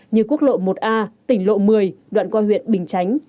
như quốc lộ một a tỉnh lộ một mươi đoạn qua huyện bình chánh